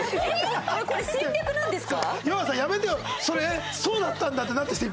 これ戦略なんですか？